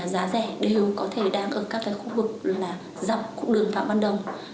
giá rẻ đều có thể đang ở các cái khu vực là dọc đường phạm văn đồng